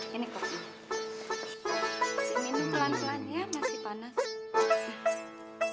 sini ini pelan pelan ya masih panas